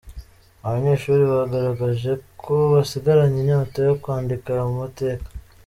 Abanyeshuri bagaragaje ko basigaranye inyota yo kwandika ayo mateka.